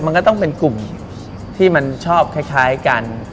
มันก็ต้องเป็นกลุ่มที่มันชอบคล้ายกัน